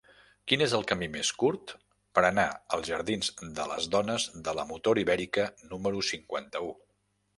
Quin és el camí més curt per anar als jardins de les Dones de la Motor Ibèrica número cinquanta-u?